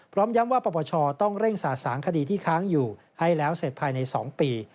พร้อมย้ำว่าปปชต้องเร่งสะสางคดีที่ค้างอยู่ให้แล้วเสร็จภายใน๒ปี